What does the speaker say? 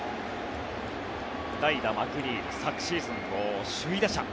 代打、マクニール昨シーズンの首位打者。